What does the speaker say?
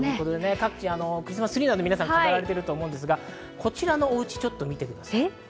各地でクリスマスツリーなど飾られてると思いますが、こちらのおうちをちょっと見てください。